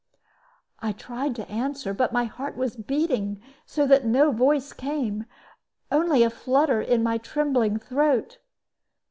I tried to answer; but my heart was beating so that no voice came, only a flutter in my trembling throat.